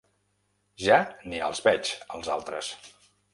Ja ni els veig, els altres.